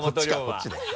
こっちね。